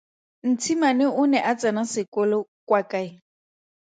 Ntshimane o ne a tsena sekolo kwa kae?